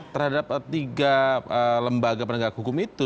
terhadap tiga lembaga penegak hukum itu